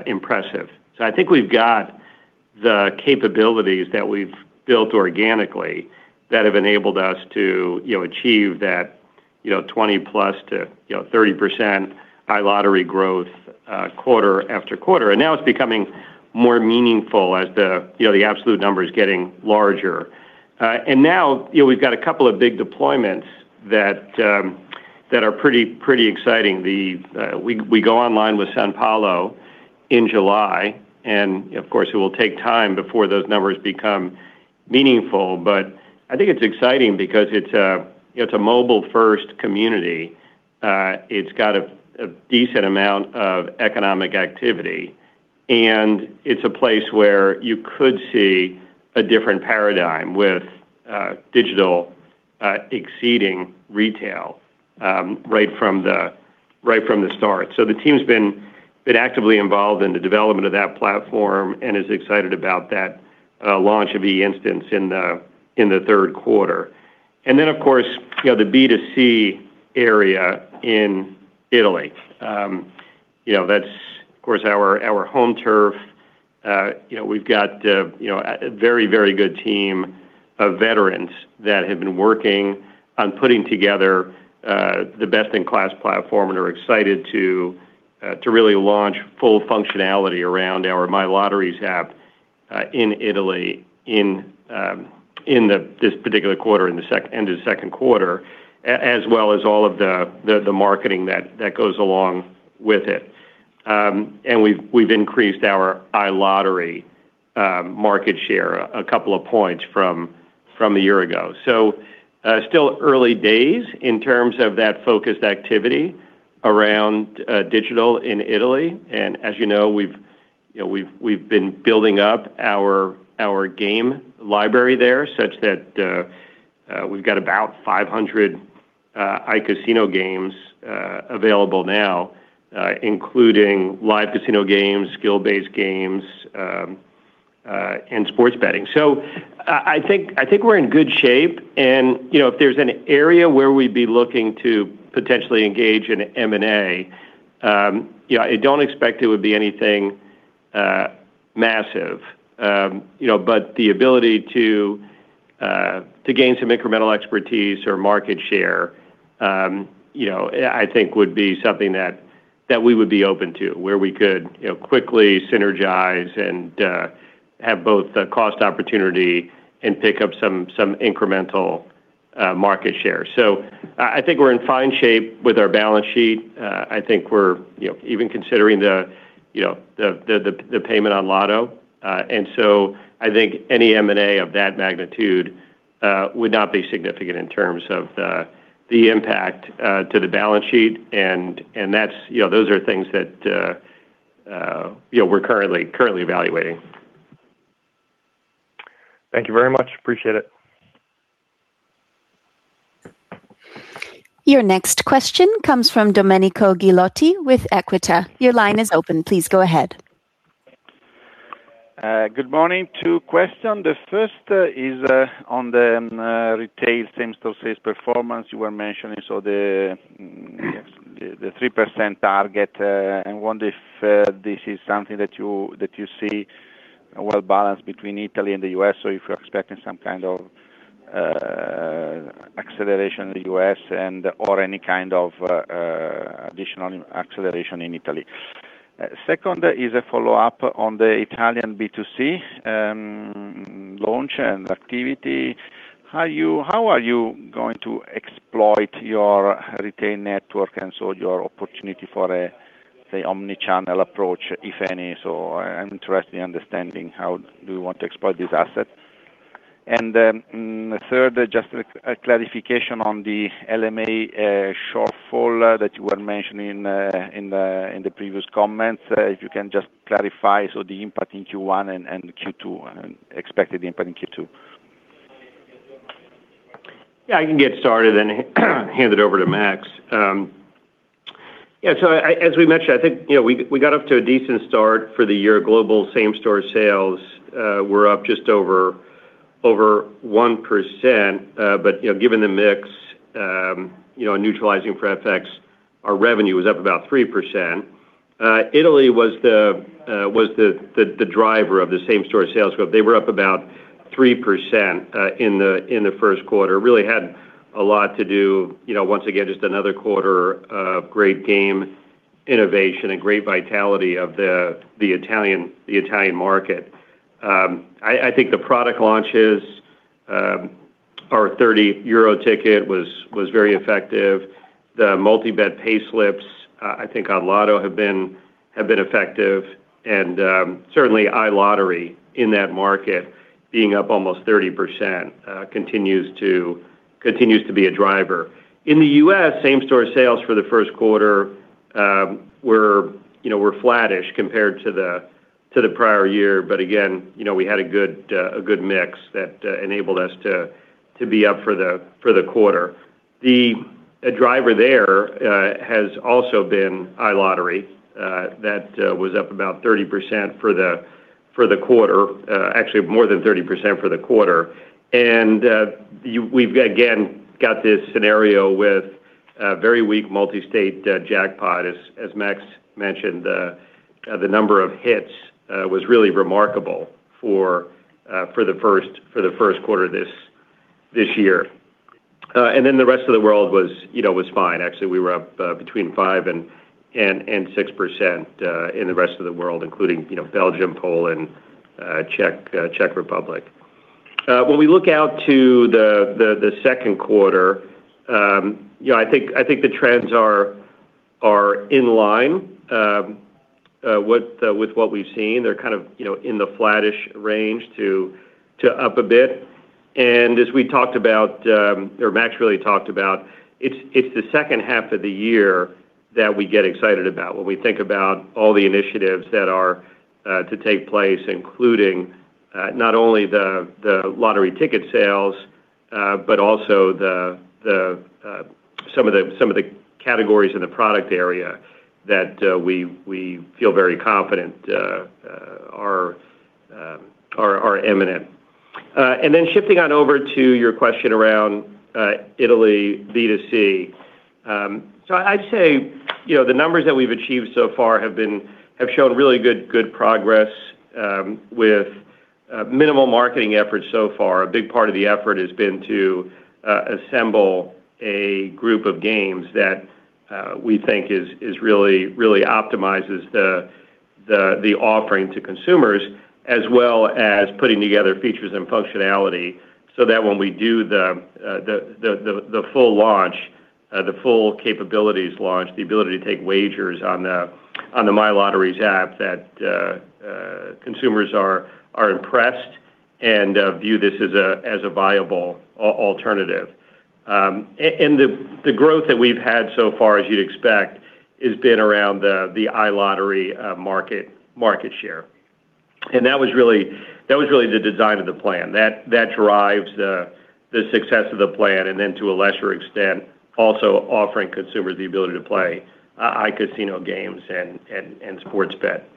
impressive. I think we've got the capabilities that we've built organically that have enabled us to, you know, achieve that, you know, 20+ to, you know, 30% iLottery growth, quarter after quarter. Now it's becoming more meaningful as the, you know, the absolute number is getting larger. Now, you know, we've got a couple of big deployments that are pretty exciting. We go online with São Paulo in July, and of course, it will take time before those numbers become meaningful, but I think it's exciting because it's a, it's a mobile-first community. It's got a decent amount of economic activity, and it's a place where you could see a different paradigm with digital exceeding retail right from the start. The team's been actively involved in the development of that platform and is excited about that launch of eInstants in the third quarter. Of course, you know, the B2C area in Italy. You know, that's of course our home turf. You know, we've got a very good team of veterans that have been working on putting together the best-in-class platform and are excited to really launch full functionality around our MyLotteries app in Italy in this particular quarter, end of the second quarter, as well as all of the marketing that goes along with it. And we've increased our iLottery market share a couple of points from a year ago. Still early days in terms of that focused activity around digital in Italy. As you know, we've been building up our game library there such that we've got about 500 iCasino games available now, including live casino games, skill-based games, and sports betting. I think we're in good shape. You know, if there's an area where we'd be looking to potentially engage in M&A, you know, I don't expect it would be anything massive. You know, the ability to gain some incremental expertise or market share, you know, I think would be something that we would be open to, where we could, you know, quickly synergize and have both the cost opportunity and pick up some incremental market share. I think we're in fine shape with our balance sheet. I think we're, you know, even considering the, you know, the payment on Lotto. I think any M&A of that magnitude would not be significant in terms of the impact to the balance sheet. You know, those are things that, you know, we're currently evaluating. Thank you very much. Appreciate it. Your next question comes from Domenico Ghilotti with Equita. Your line is open. Please go ahead. Good morning. Two questions. The first is on the retail same-store sales performance you were mentioning. The, the 3% target, I wonder if this is something that you see well balanced between Italy and the U.S., if you're expecting some kind of acceleration in the U.S. or any kind of additional acceleration in Italy. Second is a follow-up on the Italian B2C launch and activity. How are you going to exploit your retail network and your opportunity for a, say, omni-channel approach, if any? I'm interested in understanding how do you want to exploit this asset. Then, third, just a clarification on the LMA shortfall that you were mentioning in the previous comments. If you can just clarify, so the impact in Q1 and Q2, expected impact in Q2. I can get started and hand it over to Max. As we mentioned, I think, you know, we got off to a decent start for the year. Global same-store sales were up just over 1%. You know, given the mix, you know, and neutralizing for FX, our revenue was up about 3%. Italy was the driver of the same-store sales growth. They were up about 3% in the first quarter. Really had a lot to do, you know, once again, just another quarter of great game innovation and great vitality of the Italian market. I think the product launches, our 30 euro ticket was very effective. The multi-bet playslips, I think on lotto have been effective. Certainly iLottery in that market being up almost 30%, continues to be a driver. In the U.S., same-store sales for the first quarter, you know, were flattish compared to the prior year. Again, you know, we had a good mix that enabled us to be up for the quarter. The driver there has also been iLottery. That was up about 30% for the quarter, actually more than 30% for the quarter. We've again got this scenario with a very weak multi-state jackpot. As Max mentioned, the number of hits was really remarkable for the first quarter this year. Then the rest of the world was, you know, was fine. Actually, we were up between 5% and 6% in the rest of the world, including, you know, Belgium, Poland, Czech Republic. When we look out to the second quarter, you know, I think the trends are in line. With what we've seen, they're kind of, you know, in the flattish range to up a bit. As we talked about, or Max really talked about, it's the second half of the year that we get excited about when we think about all the initiatives that are to take place, including not only the lottery ticket sales, but also the some of the categories in the product area that we feel very confident are imminent. Shifting on over to your question around Italy B2C. I'd say, you know, the numbers that we've achieved so far have shown really good progress with minimal marketing efforts so far. A big part of the effort has been to assemble a group of games that we think is really optimizes the offering to consumers, as well as putting together features and functionality so that when we do the full launch, the full capabilities launch, the ability to take wagers on the My Lotteries app that consumers are impressed and view this as a viable alternative. The growth that we've had so far, as you'd expect, has been around the iLottery market share. That was really the design of the plan. That drives the success of the plan and then to a lesser extent, also offering consumers the ability to play iCasino games and sports bet.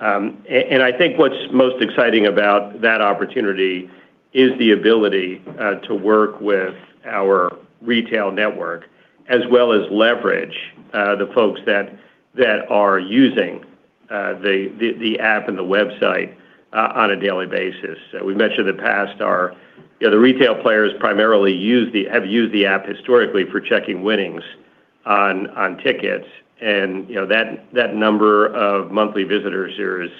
I think what's most exciting about that opportunity is the ability to work with our retail network as well as leverage the folks that are using the app and the website on a daily basis. We've mentioned in the past, you know, the retail players primarily have used the app historically for checking winnings on tickets. You know, that number of monthly visitors here is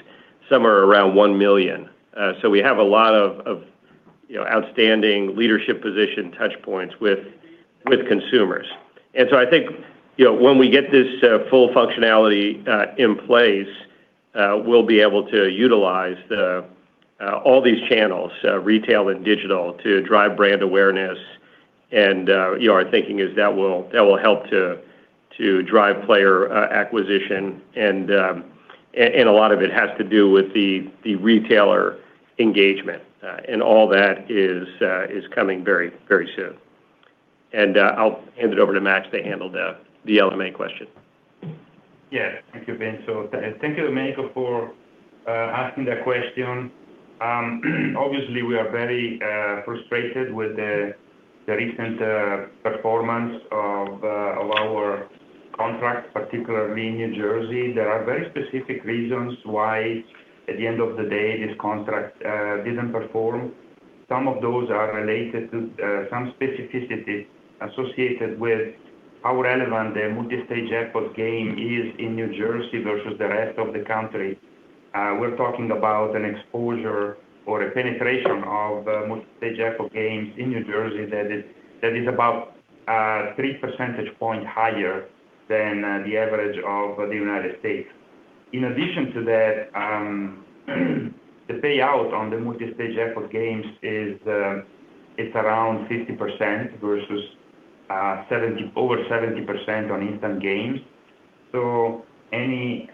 somewhere around 1 million. We have a lot of, you know, outstanding leadership position touchpoints with consumers. I think, you know, when we get this full functionality in place, we'll be able to utilize all these channels, retail and digital, to drive brand awareness. You know, our thinking is that will help to drive player acquisition. A lot of it has to do with the retailer engagement. All that is coming very, very soon. I'll hand it over to Max to handle the LMA question. Thank you, Vince. Thank you, Domenico, for asking that question. Obviously, we are very frustrated with the recent performance of our contract, particularly in New Jersey. There are very specific reasons why, at the end of the day, this contract didn't perform. Some of those are related to some specificities associated with how relevant the multi-stage jackpot game is in New Jersey versus the rest of the country. We're talking about an exposure or a penetration of multi-stage jackpot games in New Jersey that is about 3 percentage point higher than the average of the United States. In addition to that, the payout on the multi-stage jackpot games is around 50% versus over 70% on instant games. Any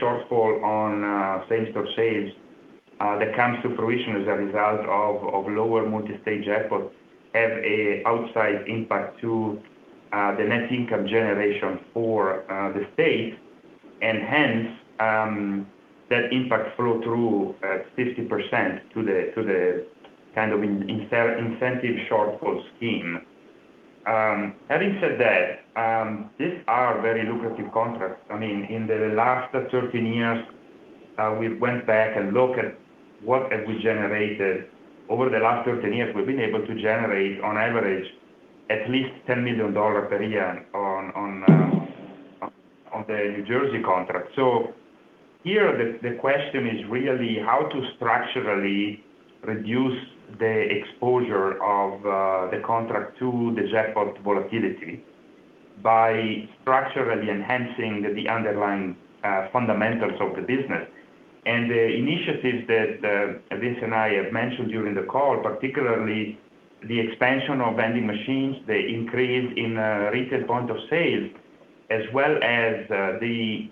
shortfall on sales to sales that comes to fruition as a result of lower multi-stage jackpots have a outsized impact to the net income generation for the state, and hence, that impact flow through 50% to the kind of incentive shortfall scheme. Having said that, these are very lucrative contracts. I mean, in the last 13 years, we went back and look at what have we generated. Over the last 13 years, we've been able to generate, on average, at least $10 million per year on the New Jersey contract. Here, the question is really how to structurally reduce the exposure of the contract to the jackpot volatility by structurally enhancing the underlying fundamentals of the business. The initiatives that Vince and I have mentioned during the call, particularly the expansion of vending machines, the increase in retail point of sale, as well as the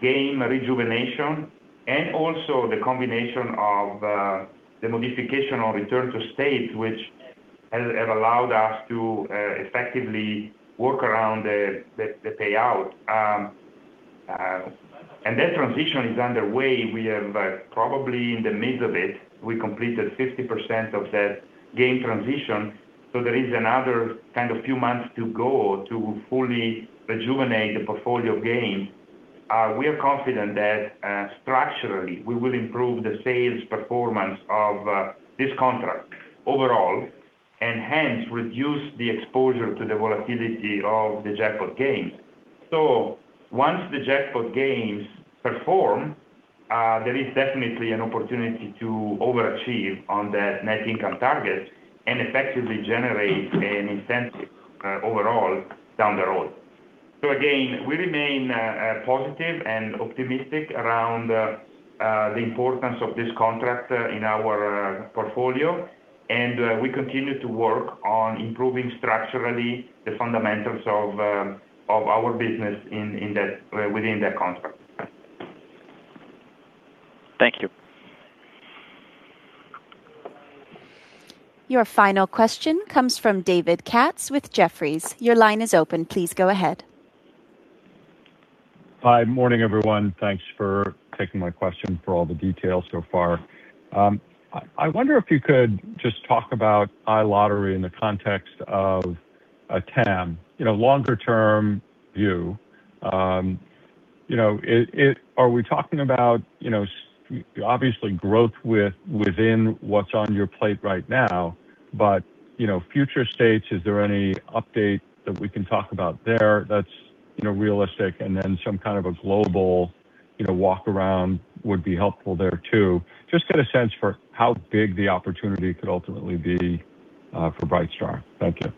game rejuvenation, and also the combination of the modification of return to state, which have allowed us to effectively work around the payout. That transition is underway. We are probably in the midst of it. We completed 50% of that game transition, so there is another kind of few months to go to fully rejuvenate the portfolio game. We are confident that structurally, we will improve the sales performance of this contract overall, hence, reduce the exposure to the volatility of the jackpot games. Once the jackpot games perform, there is definitely an opportunity to overachieve on that net income target and effectively generate an incentive overall down the road. Again, we remain positive and optimistic around the importance of this contract in our portfolio, and we continue to work on improving structurally the fundamentals of our business within that contract. Thank you. Your final question comes from David Katz with Jefferies. Your line is open. Please go ahead. Hi. Morning, everyone. Thanks for taking my question, for all the details so far. I wonder if you could just talk about iLottery in the context of TAM, you know, longer term view. You know, are we talking about, you know, obviously growth within what's on your plate right now, but, you know, future states, is there any update that we can talk about there that's, you know, realistic? Some kind of a global, you know, walk-around would be helpful there too. Just get a sense for how big the opportunity could ultimately be for Brightstar. Thank you.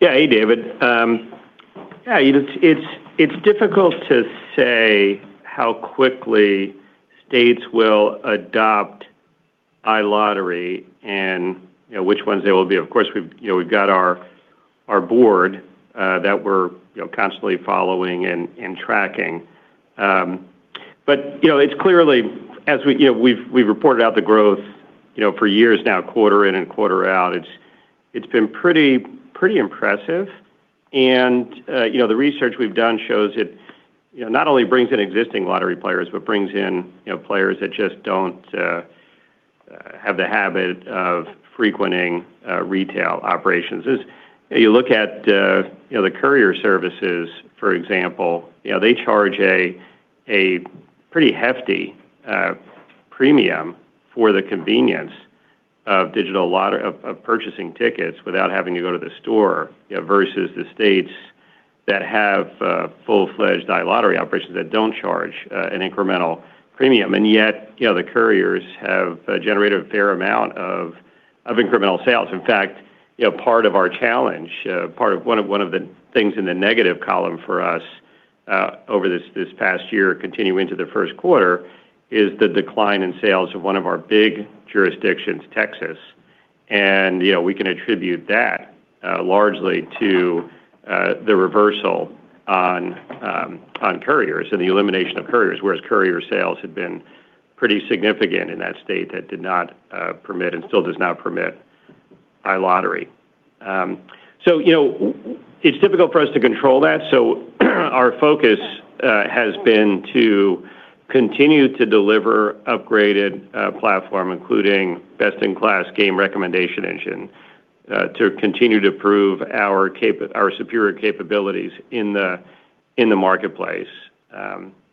Yeah. Hey, David. Yeah, you know, it's difficult to say how quickly states will adopt iLottery and, you know, which ones they will be. Of course, we've, you know, we've got our board that we're, you know, constantly following and tracking. You know, it's clearly as we've reported out the growth, you know, for years now, quarter in and quarter out. It's been pretty impressive. You know, the research we've done shows it, you know, not only brings in existing lottery players, but brings in, you know, players that just don't have the habit of frequenting retail operations. As you look at, you know, the courier services, for example, you know, they charge a pretty hefty premium for the convenience of digital purchasing tickets without having to go to the store, you know, versus the states that have full-fledged iLottery operations that don't charge an incremental premium. Yet, you know, the couriers have generated a fair amount of incremental sales. In fact, you know, part of our challenge, one of the things in the negative column for us over this past year, continuing to the first quarter, is the decline in sales of one of our big jurisdictions, Texas. You know, we can attribute that largely to the reversal on couriers and the elimination of couriers, whereas courier sales had been pretty significant in that state that did not permit and still does not permit iLottery. You know, it's difficult for us to control that, so our focus has been to continue to deliver upgraded platform, including best-in-class game recommendation engine, to continue to prove our superior capabilities in the marketplace.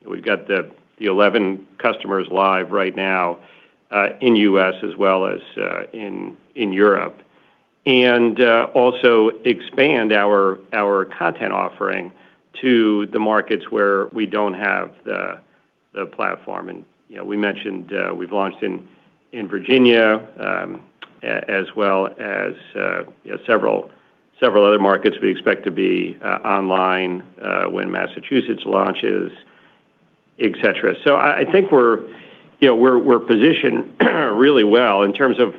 We've got the 11 customers live right now in U.S. as well as in Europe. Also expand our content offering to the markets where we don't have the platform. You know, we mentioned, we've launched in Virginia, as well as, you know, several other markets we expect to be online when Massachusetts launches, et cetera. I think we're, you know, we're positioned really well in terms of,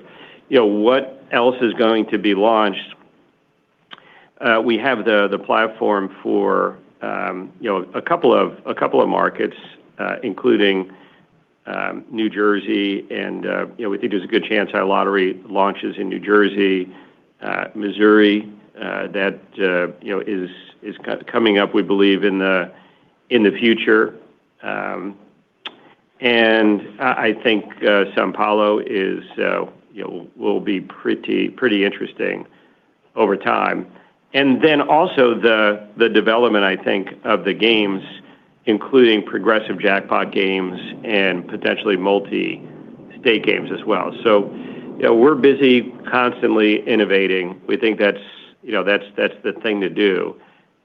you know, what else is going to be launched. We have the platform for, you know, a couple of markets, including New Jersey, you know, we think there's a good chance iLottery launches in New Jersey. Missouri, you know, is coming up, we believe, in the future. I think São Paulo is, you know, will be pretty interesting over time. Also the development, I think, of the games, including progressive jackpot games and potentially multi-state games as well. You know, we're busy constantly innovating. We think that's, you know, that's the thing to do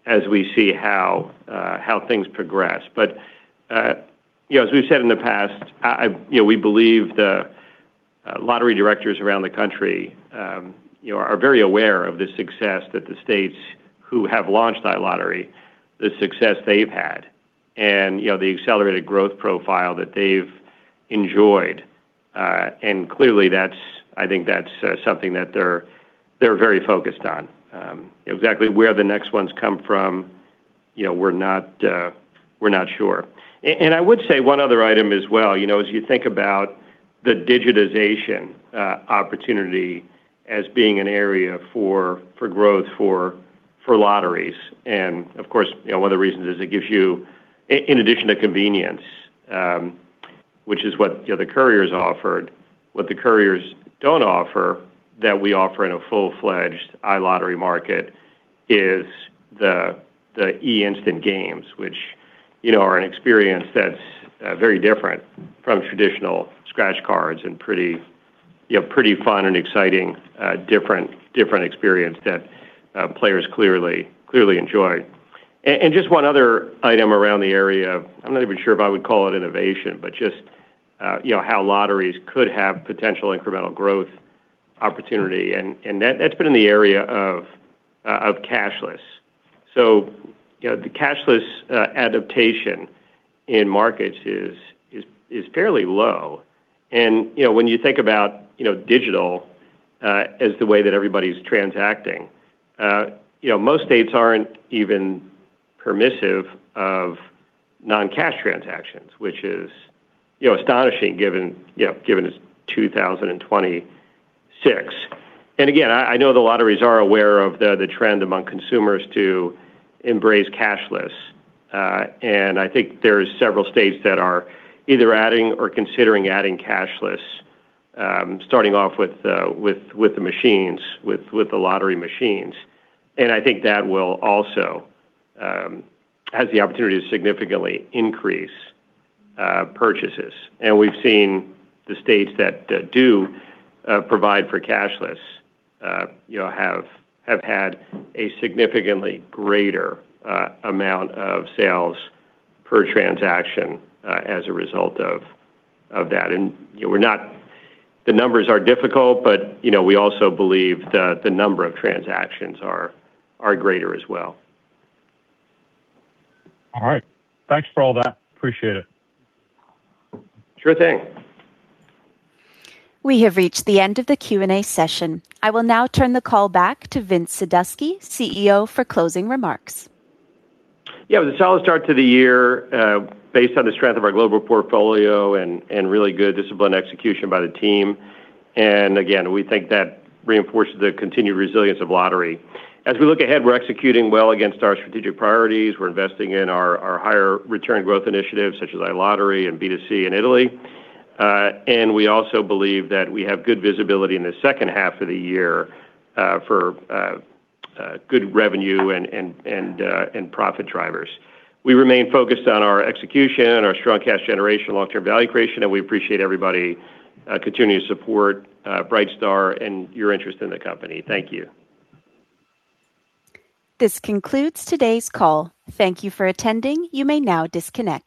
as we see how things progress. You know, as we've said in the past, You know, we believe the lottery directors around the country, you know, are very aware of the success that the states who have launched iLottery, the success they've had and, you know, the accelerated growth profile that they've enjoyed. Clearly that's I think that's something that they're very focused on. Exactly where the next ones come from, you know, we're not sure. I would say one other item as well, you know, as you think about the digitization opportunity as being an area for growth for lotteries. Of course, you know, one of the reasons is it gives you in addition to convenience, which is what, you know, the couriers offered. What the couriers don't offer that we offer in a full-fledged iLottery market is the eInstant games, which, you know, are an experience that's very different from traditional scratch cards and pretty fun and exciting, different experience that players clearly enjoy. Just one other item around the area of I'm not even sure if I would call it innovation, but just, you know, how lotteries could have potential incremental growth opportunity, and that's been in the area of cashless. You know, the cashless adaptation in markets is fairly low. You know, when you think about, you know, digital as the way that everybody's transacting, you know, most states aren't even permissive of non-cash transactions, which is, you know, astonishing given, you know, given it's 2026. Again, I know the lotteries are aware of the trend among consumers to embrace cashless. I think there's several states that are either adding or considering adding cashless, starting off with the machines, with the lottery machines. I think that will also has the opportunity to significantly increase purchases. We've seen the states that do provide for cashless, you know, have had a significantly greater amount of sales per transaction as a result of that. You know, the numbers are difficult, but, you know, we also believe the number of transactions are greater as well. All right. Thanks for all that. Appreciate it. Sure thing. We have reached the end of the Q&A session. I will now turn the call back to Vince Sadusky, CEO, for closing remarks. Yeah, with a solid start to the year, based on the strength of our global portfolio and really good disciplined execution by the team. Again, we think that reinforces the continued resilience of lottery. As we look ahead, we're executing well against our strategic priorities. We're investing in our higher return growth initiatives such as iLottery and B2C in Italy. We also believe that we have good visibility in the second half of the year for good revenue and profit drivers. We remain focused on our execution and our strong cash generation, long-term value creation, we appreciate everybody continuing to support Brightstar and your interest in the company. Thank you. This concludes today's call. Thank you for attending. You may now disconnect.